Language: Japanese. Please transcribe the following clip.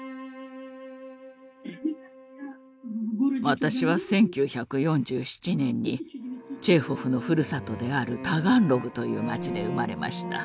私は１９４７年にチェーホフのふるさとであるタガンログという町で生まれました。